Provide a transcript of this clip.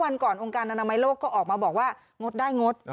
อนามัยโลกก็ออกมาบอกว่างดได้งด